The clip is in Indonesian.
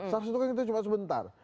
sars itu kan itu cuma sebentar